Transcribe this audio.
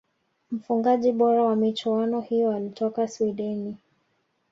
mfungaji bora wa michuano hiyo alitoka swideni